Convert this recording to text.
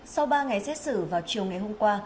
sau ba ngày xét xử vào chiều ngày hôm qua